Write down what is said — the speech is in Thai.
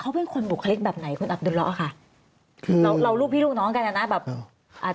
เขาเป็นคนบุคลิกแบบไหนคุณอับดุล็อกค่ะเราลูกพี่ลูกน้องกันนะแบบ